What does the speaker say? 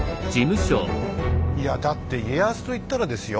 いやだって家康といったらですよ